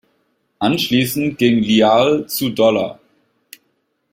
Anschließend ging Lyall zu Dollar.